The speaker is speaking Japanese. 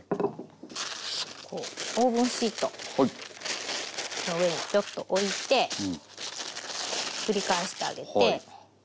こうオーブンシート上にちょっと置いてひっくり返してあげて。